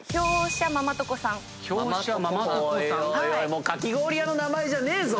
もうかき氷屋の名前じゃねえぞ！